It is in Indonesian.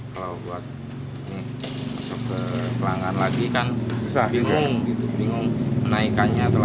berarti memberatkan pak ya